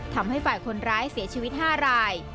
ทำให้ฝ่ายคนร้ายเสียชีวิต๕ราย